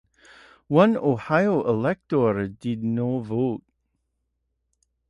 One Ohio elector did not vote.